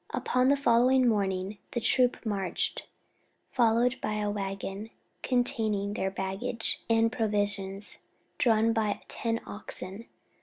Upon the following morning the troop marched, followed by a waggon containing their baggage and provisions, drawn by ten oxen.